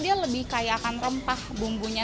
dia lebih kayak akan rempah bumbunya